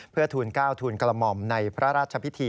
เพื่อทูลเก้าทูลกลมอมในพระราชพิธี